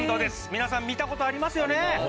「皆さん見た事ありますよね？」